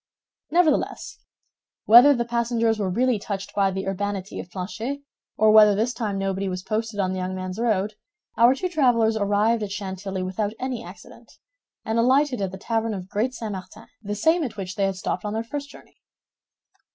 Nevertheless, whether the passengers were really touched by the urbanity of Planchet or whether this time nobody was posted on the young man's road, our two travelers arrived at Chantilly without any accident, and alighted at the tavern of Great St. Martin, the same at which they had stopped on their first journey.